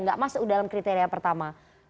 tidak masuk dalam kriteria pertama